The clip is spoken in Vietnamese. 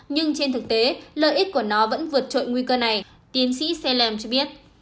nhưng trên thực tế lợi ích của nó vẫn vượt trội nguy cơ này tiến sĩ selem cho biết